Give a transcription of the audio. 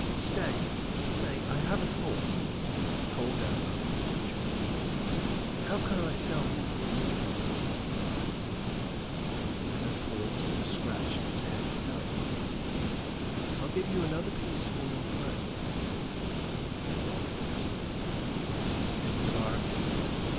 "Stay stay I have a thought," he called out after the butcher. "How can I sell meat in this garb?" The other paused and scratched his head doubtfully. "I'll give you another piece for your clothes, friend," said Robin, persuasively. "Is it a bargain?"